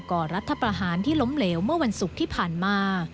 ่อรัฐประหารที่ล้มเหลวเมื่อวันศุกร์ที่ผ่านมา